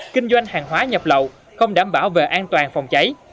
kinh doanh hàng hóa nhập lậu không đảm bảo về an toàn phòng cháy